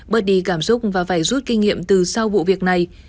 bớt đi cảm xúc và phải rút kinh nghiệm từ sau vụ việc này